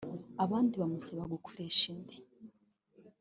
abandi bamusaba gukoresha indi